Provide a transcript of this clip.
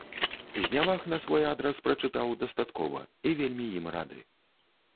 Зняваг на свой адрас прачытаў дастаткова і вельмі ім рады.